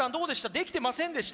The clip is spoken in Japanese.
できてませんでした？